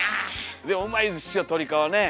でもうまいですよ鶏皮ねえ。